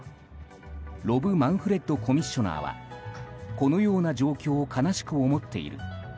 ロブ・マンフレッドコミッショナーはこのような状況を悲しく思っている。